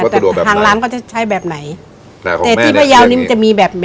แต่ทางร้านก็จะใช้แบบไหนแต่ของแม่เนี้ยแต่ที่พะเยาเนี้ยมันจะมีแบบ